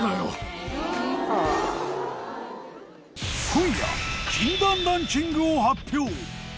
今夜禁断ランキングを発表。